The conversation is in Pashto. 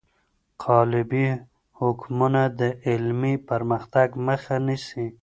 قالبي حکمونه د علمي پرمختګ مخه نیسي.